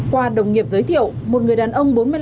qua đồng nghiệp giới thiệu